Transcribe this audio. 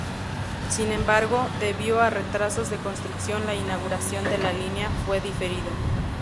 Sin embargo, debido a retrasos de construcción, la inauguración de la línea fue diferido.